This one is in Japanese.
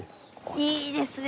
いいですね